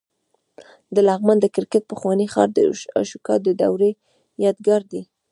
د لغمان د کرکټ پخوانی ښار د اشوکا د دورې یادګار دی